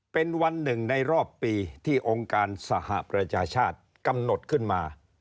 เป็นวันหนึ่งในรอบปีที่องค์การสหประชาชาติกำหนดขึ้นมา